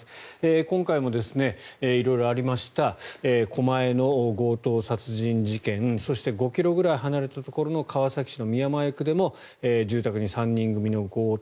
今回も色々ありました狛江の強盗殺人事件そして５ｋｍくらい離れたところの川崎市の宮前区でも住宅に３人組の強盗。